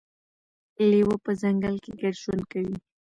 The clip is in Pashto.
لیوه په ځنګل کې ګډ ژوند کوي.